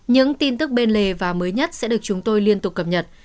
những tin tức bên lề và mới nhất sẽ được chúng tôi liên tục cập nhật